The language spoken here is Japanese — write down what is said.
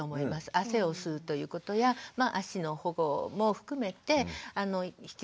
汗を吸うということや足の保護も含めて必要なんですけど